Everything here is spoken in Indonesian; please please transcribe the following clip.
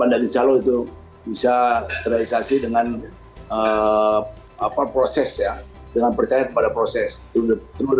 anda di salur itu bisa realisasi dengan apa prosesnya dengan percaya kepada proses untuk